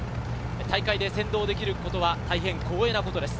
大会で先導できることは大変光栄なことです。